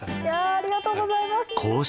ありがとうございます。